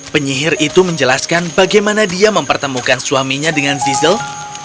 penyihir itu menjelaskan bagaimana dia mempertemukan suaminya dengan zizeld